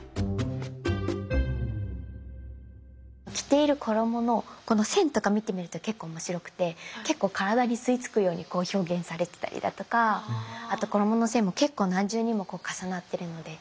着ている衣のこの線とか見てみると結構面白くて結構体に吸い付くように表現されてたりだとかあと衣の線も結構何重にも重なってるので。